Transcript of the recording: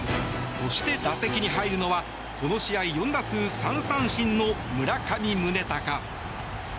そして打席に入るのは、この試合４打数３三振の村上宗隆。